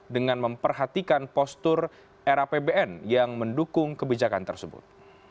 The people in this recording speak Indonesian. dengan memperhatikan postur era pbn yang mendukung kebijakan tersebut